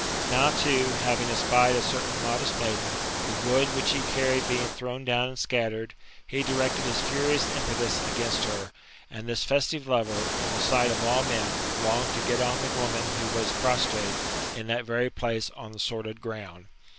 Ndw tooj having espied a certain modest maiden^ Ib^ wood which he carried being thrown down and scattered/ he directed his furious impetus against her ; and this festive lover, in the sight of all men, longed to get on the woman whoi was prostrate, in that very place, on the sordid ground.